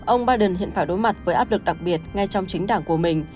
ông biden hiện phải đối mặt với áp lực đặc biệt ngay trong chính đảng của mình